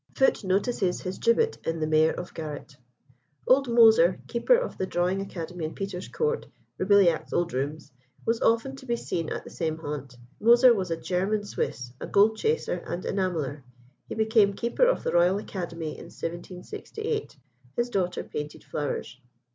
Foote notices his gibbet in The Mayor of Garratt. Old Moser, keeper of the drawing academy in Peter's Court Roubilliac's old rooms was often to be seen at the same haunt. Moser was a German Swiss, a gold chaser and enameller; he became keeper of the Royal Academy in 1768. His daughter painted flowers.